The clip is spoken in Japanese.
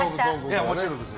もちろんです。